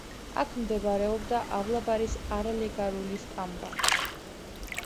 აქ მდებარეობდა ავლაბრის არალეგალური სტამბა.